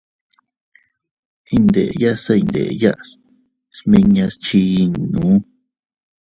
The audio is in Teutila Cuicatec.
Iyndeya se iydenya smiñas chiinnu.